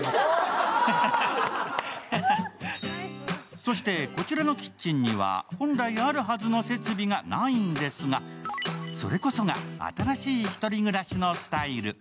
そしてこちらのキッチンには本来あるはずの設備がないんですがそれこそが、新しいひとり暮らしのスタイル。